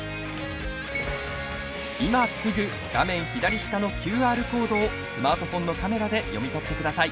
今すぐ画面左下のＱＲコードをスマートフォンのカメラで読み取ってください。